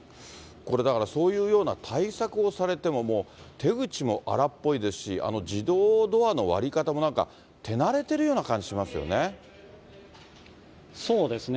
これだから、そういうような対策をされても、手口も荒っぽいですし、自動ドアの割り方もなんか、そうですね。